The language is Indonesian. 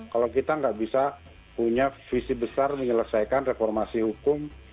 kalau kita nggak bisa punya visi besar menyelesaikan reformasi hukum